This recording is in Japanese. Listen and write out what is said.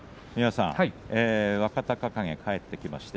若隆景が帰ってきました。